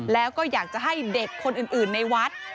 แล้วก็อยากจะให้เด็กคนอื่นในวัด